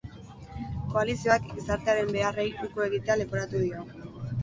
Koalizioak gizartearen beharrei uko egitea leporatu dio.